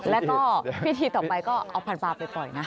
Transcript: แล้วก็พิธีต่อไปก็เอาพันปลาไปปล่อยนะ